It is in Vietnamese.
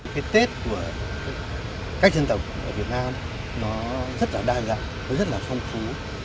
cái tết của các dân tộc ở việt nam nó rất là đa dạng với rất là phong phú